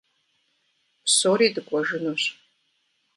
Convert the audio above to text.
Псори дыкӀуэжынущ.